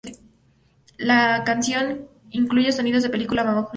La canción incluye sonidos de la película Magnolia.